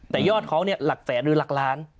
แต่ยอดเขาหลักแสนหรือหลักล้าน